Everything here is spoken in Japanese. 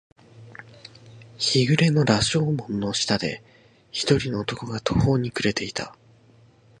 日暮れの羅生門の下で、一人の男が途方に暮れていた。